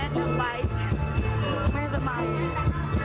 ไหนนั้นไหมัลเมื่อที่ไหมละ